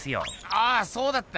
あそうだった！